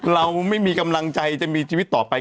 เราไม่มีกำลังใจจะมีชีวิตต่อไป